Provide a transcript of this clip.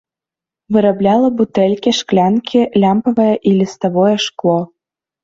Вырабляла бутэлькі, шклянкі, лямпавае і ліставое шкло.